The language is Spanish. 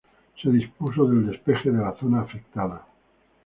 Se dispuso del despeje de la zona afectada.